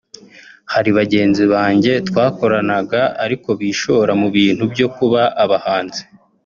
Hari bagenzi banjye twakoranaga ariko bishora mu bintu byo kuba abahanzi